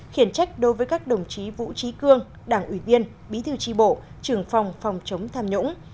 khiển trách đối với các đồng chí vũ trí cương đảng ủy viên bí thư tri bộ trưởng phòng phòng chống tham nhũng